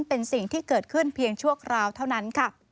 เป็นสิ่งที่เกิดขึ้นเพียงชั่วคราวเท่านั้นค่ะ